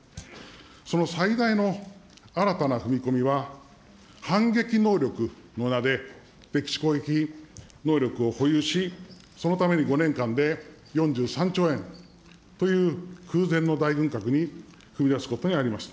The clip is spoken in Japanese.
その最大の新たな踏み込みは、反撃能力の名で、敵基地攻撃能力を保有し、そのために５年間で４３兆円という空前の大軍拡に踏み出すことになりました。